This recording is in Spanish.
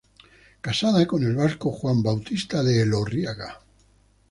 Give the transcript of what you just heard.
Casada con el vasco Juan Bautista de Elorriaga.